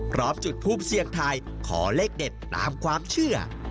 พร้อมจุดทูปเสี่ยงทายขอเลขเด็ดตามความเชื่อ